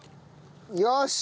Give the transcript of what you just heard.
よし！